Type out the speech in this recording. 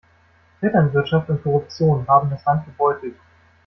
Vetternwirtschaft und Korruption haben das Land gebeutelt.